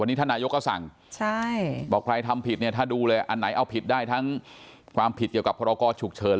วันนี้ท่านนายกก็สั่งบอกใครทำผิดเนี่ยถ้าดูเลยอันไหนเอาผิดได้ทั้งความผิดเกี่ยวกับพรกรฉุกเฉิน